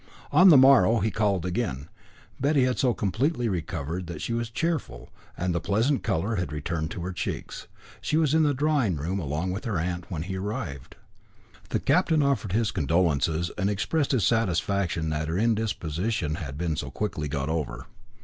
On the morrow he called again. Betty had so completely recovered that she was cheerful, and the pleasant colour had returned to her cheeks. She was in the drawing room along with her aunt when he arrived. The captain offered his condolences, and expressed his satisfaction that her indisposition had been so quickly got over.